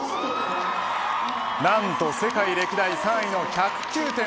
何と世界歴代３位の１０９．６３。